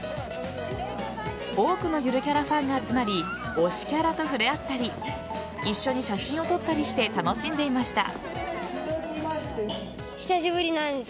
多くのゆるキャラファンが集まり推しキャラと触れ合ったり一緒に写真を撮ったりして楽しんでいました。